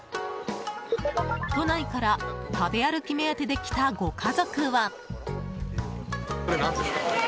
都内から食べ歩き目当てで来たご家族は。